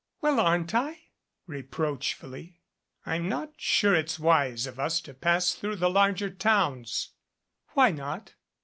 "Well aren't I?" reproachfully. "I'm not sure it's wise of us to pass through the larger towns." "Why not?"